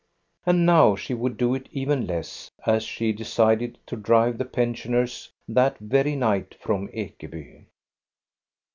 And now she would do it even less, as she had de cided to drive the pensioners that very night from Ekeby.